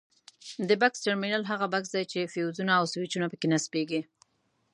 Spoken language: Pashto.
د بکس ټرمینل هغه بکس دی چې فیوزونه او سویچونه پکې نصبیږي.